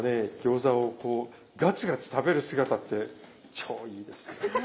餃子をこうガツガツ食べる姿って超いいです。